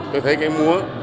tôi thấy cái múa